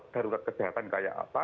darurat kesehatan kayak apa